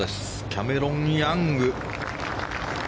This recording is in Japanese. キャメロン・ヤング。